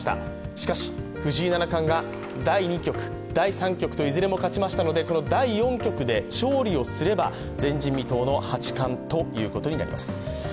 しかし藤井七冠が第２局、第３局といずれも勝ちましたので第４局で勝利をすれば前人未到の八冠ということになります。